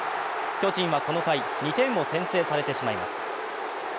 巨人はこの回、２点を先制されてしまいます。